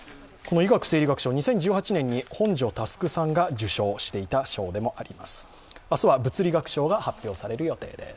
医学生理学賞は２０１８年に本庶佑さんが受賞していた賞でもあります。